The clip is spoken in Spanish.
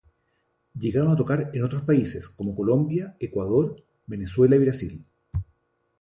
Llegaron a tocar en otros países, como Colombia, Ecuador, Venezuela y Brasil.